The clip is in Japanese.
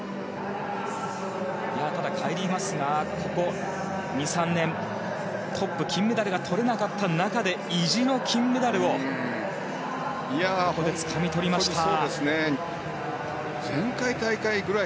カイリー・マスがここ２３年トップ、金メダルがとれなかった中で意地の金メダルをつかみ取りました。